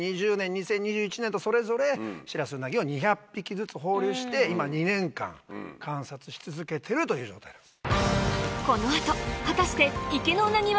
２０２１年とそれぞれシラスウナギを２００匹ずつ放流して今２年間観察し続けてるという状態なんです。